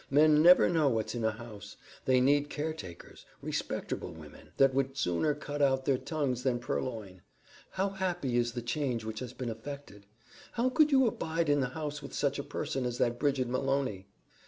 Men never know what's in a house. They need caretakers; respecterble women, that would sooner cut out their tongues than purloin. How happy is the change which has been affected! How could you abide in the house with such a person as that Bridget Malony?"